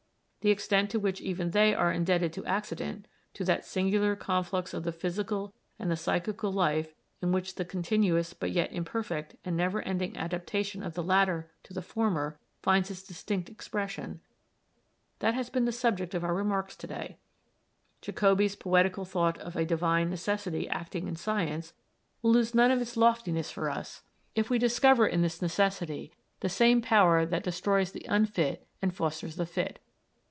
The extent to which even they are indebted to accident to that singular conflux of the physical and the psychical life in which the continuous but yet imperfect and never ending adaptation of the latter to the former finds its distinct expression that has been the subject of our remarks to day. Jacobi's poetical thought of a divine necessity acting in science will lose none of its loftiness for us if we discover in this necessity the same power that destroys the unfit and fosters the fit.